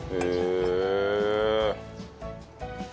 へえ。